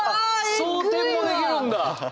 装填もできるんだ！